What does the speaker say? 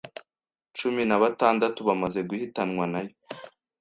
cumi nabatandatu bamaze guhitanwa na yo,